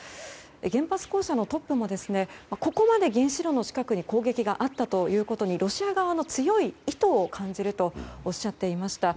原発公社のトップもここまで原子炉の近くに攻撃があったということにロシア側の強い意図を感じるとおっしゃっていました。